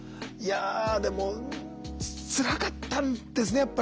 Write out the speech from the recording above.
いやでもつらかったんですね